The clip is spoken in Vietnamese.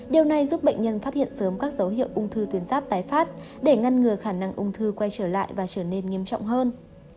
điều này giúp bệnh nhân phát hiện sớm các dấu hiệu ung thư tuyến ráp tái phát để ngăn ngừa khả năng ung thư quay trở lại và trở nên nghiêm trọng hơn